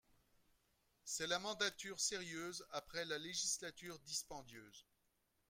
C’est la mandature sérieuse après la législature dispendieuse